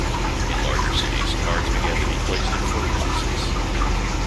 In larger cities, cards began to be placed in phone boxes.